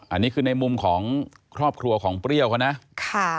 อันนี้คือในมุมของครอบครัวของเปรี้ยวเขานะค่ะ